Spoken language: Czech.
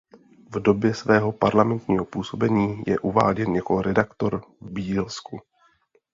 V době svého parlamentního působení je uváděn jako redaktor v Bílsku.